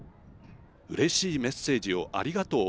うれしいメッセージをありがとう。